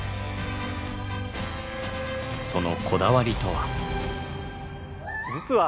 そのこだわりとは？